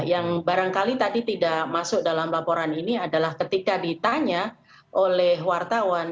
yang barangkali tadi tidak masuk dalam laporan ini adalah ketika ditanya oleh wartawan